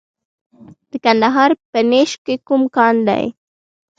د کندهار په نیش کې کوم کان دی؟